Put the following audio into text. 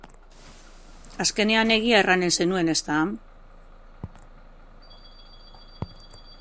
Azkenean egia erranen zenuen, ezta?